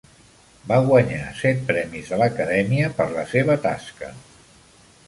Va guanyar set premis de l'Acadèmia per la seva tasca.